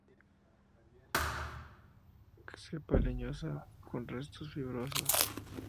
Cepa leñosa, con restos fibrosos.